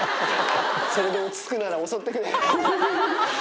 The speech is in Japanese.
それで落ち着くなら襲ってくれ。